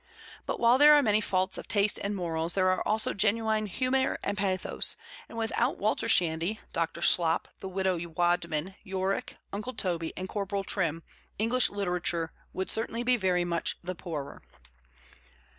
But while there are many faults of taste and morals, there are also genuine humor and pathos, and without Walter Shandy, Dr. Slop, the Widow Wadman, Yorick, Uncle Toby, and Corporal Trim, English literature would certainly be very much the poorer.